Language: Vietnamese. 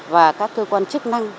và các cơ quan chức năng